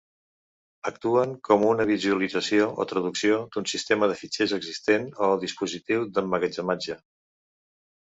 Actuen com una visualització o traducció d'un sistema de fitxers existent o dispositiu d'emmagatzematge.